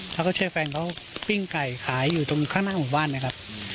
และก็เชื่อแฟนเขาปิ้งไก่ขายตรงข้างหน้าบ้านนะครับ